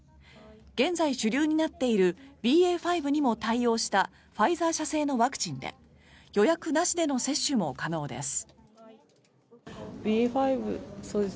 現在主流になっているＢＡ．５にも対応したファイザー社製のワクチンで予約なしでの接種も可能です。